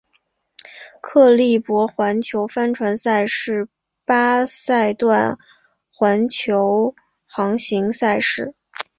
克利伯环球帆船赛是八赛段环球航行赛事。